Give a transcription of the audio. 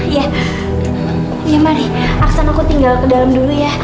ya ya mari aksan aku tinggal ke dalam dulu ya